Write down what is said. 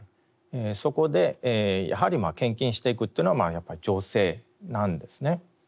そこでやはり献金していくというのはやっぱり女性なんですね。